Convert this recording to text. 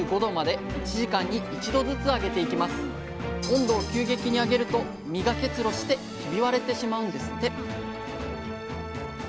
温度を急激に上げると実が結露してひび割れてしまうんですって